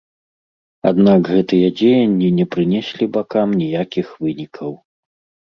Аднак гэтыя дзеянні не прынеслі бакам ніякіх вынікаў.